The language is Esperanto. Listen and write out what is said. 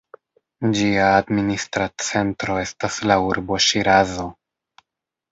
Ĝia administra centro estas la urbo Ŝirazo.